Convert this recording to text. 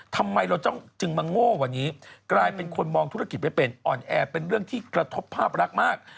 ทำไมเราต้องจึงมาโง่กว่านี้กลายเป็นคนมองธุรกิจไม่เป็นอ่อนแอเป็นเรื่องที่กระทบภาพรักมาก